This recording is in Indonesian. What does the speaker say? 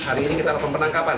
hari ini kita lakukan penangkapan